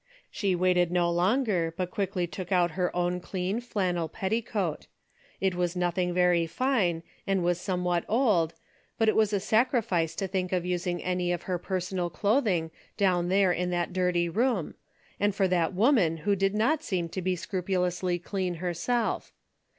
She waited no longer, but quickly took out her own clean flannel petticoat. It was nothing very fine, and was somewhat old, but it was a sacrifice to think of using any of her personal clothing down there in that dirty room, and for that woman who did not seem to be scrupulously clean herself.